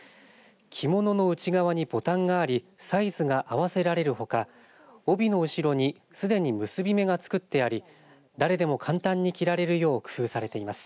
着物の内側にボタンがありサイズが合わせられるほか帯の後ろにすでに結び目が作ってあり誰でも簡単に着られるよう工夫されています。